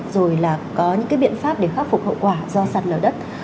rồi là có những cái biện pháp để khắc phục hậu quả do sạt lở đất